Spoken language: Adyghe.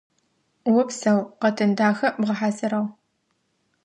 Опсэу, къэтын дахэ бгъэхьазырыгъ.